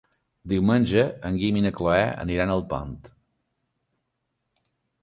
Diumenge en Guim i na Cloè aniran a Alpont.